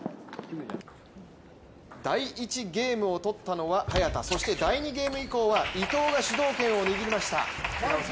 第１ゲームをとったのは早田、そして第２ゲーム以降は伊藤が主導権を握りました。